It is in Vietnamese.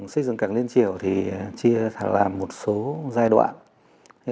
xây dựng cảng liên triều thì chia làm một số giai đoạn